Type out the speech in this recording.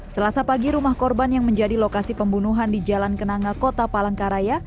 selasa pagi rumah korban yang menjadi lokasi pembunuhan di jalan kenanga kota palangkaraya